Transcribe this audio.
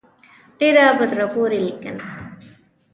ډېره په زړه پورې لیکنه.